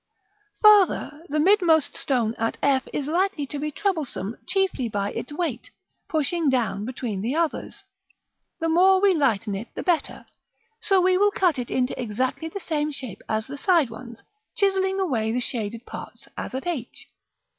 Farther: the midmost stone at f is likely to be troublesome chiefly by its weight, pushing down between the others; the more we lighten it the better: so we will cut it into exactly the same shape as the side ones, chiselling away the shaded parts, as at h.